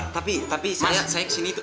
tapi saya kesini itu